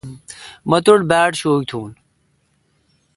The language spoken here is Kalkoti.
مہ توٹھ باڑ شوک تھون۔